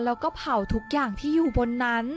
แล้วก็เผาทุกอย่างที่อยู่บนนั้น